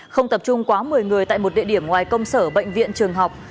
không tập trung quá một mươi người tại một địa điểm ngoài công sở bệnh viện trường học